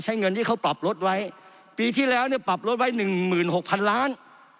ใช้เงินที่เขาปรับลดไว้ปีที่แล้วเนี่ยปรับลดไว้๑๖๐๐๐ล้าน